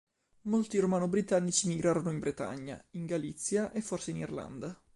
Molti Romano-Britannici migrarono in Bretagna, in Galizia e forse in Irlanda.